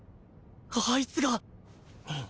あいつが！